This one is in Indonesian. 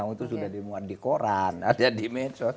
oh itu sudah dimuat di koran ada di medsos ada di televisi